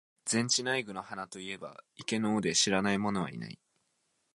禅智内供の鼻と云えば、池の尾で知らない者はない。